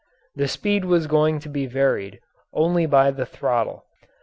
The speed was going to be varied only by the throttle.